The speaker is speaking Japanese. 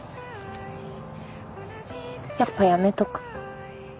やっぱやめとく。